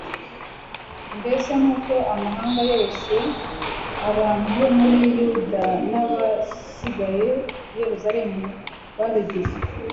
mbese nk'uko amahanga yose, abantu bo muri yuda n'abasigaye i yeruzalemu babigize